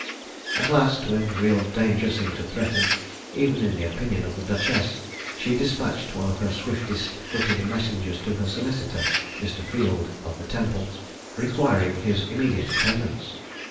At last, when real danger seemed to threaten, even in the opinion of the duchess, she despatched one of her swiftest footed messengers to her solicitor, Mr. Field, of the Temple, requiring his immediate attendance.